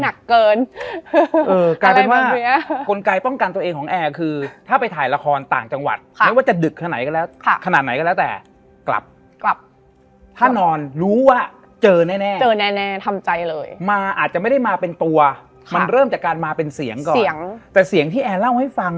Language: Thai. นี่คือหลังจากที่เขามาเห็นแล้วเขามาเล่าให้ฟัง